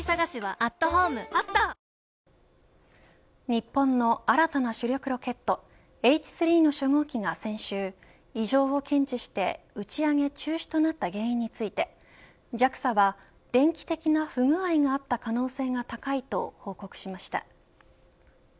日本の新たな主力ロケットＨ３の初号機が先週異常を検知して打ち上げ中止となった原因についてＪＡＸＡは、電気的な不具合があった可能性が高いと報告しました。